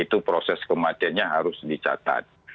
itu proses kematiannya harus dicatat